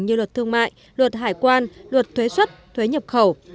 như luật thương mại luật hải quan luật thuế xuất thuế nhập khẩu